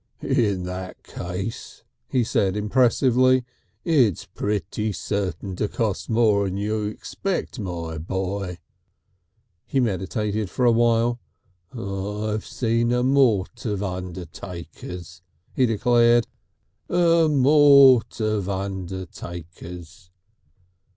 "In that case," he said impressively, "it's pretty certain to cost more'n you expect, my boy." He meditated for a time. "I've seen a mort of undertakers," he declared; "a mort of undertakers."